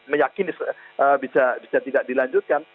meyakin bisa tidak dilanjutkan